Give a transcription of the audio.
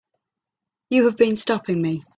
You have been stopping me.